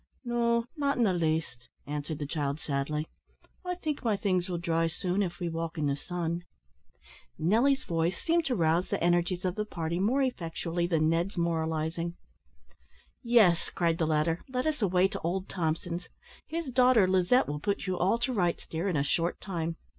"No, not in the least," answered the child, sadly. "I think my things will dry soon, if we walk in the sun." Nelly's voice seemed to rouse the energies of the party more effectually than Ned's moralising. "Yes," cried the latter, "let us away to old Thompson's. His daughter, Lizette, will put you all to rights, dear, in a short time.